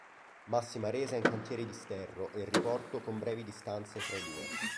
Massima resa in cantieri di sterro e riporto con brevi distanze fra i due.